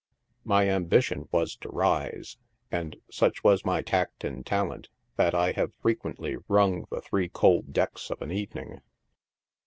My ambition was to rise, and such was my tact and talent that I have frequently rung in three cold decks of an evening.